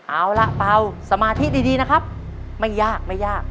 เอาล่ะเปล่าสมาธิดีนะครับไม่ยากไม่ยาก